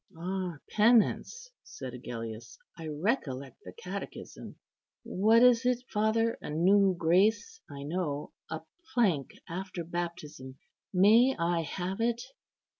"Ah, penance!" said Agellius; "I recollect the catechism. What is it, father? a new grace, I know; a plank after baptism. May I have it?"